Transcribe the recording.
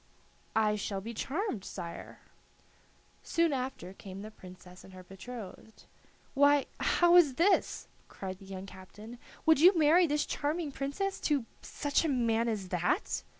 "I shall be charmed, sire." Soon after came the Princess and her betrothed. "Why, how is this?" cried the young captain; "would you marry this charming princess to such a man as that?"